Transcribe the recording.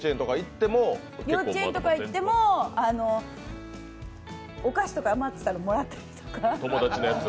幼稚園とか行ってもお菓子とか余ったらもらったり。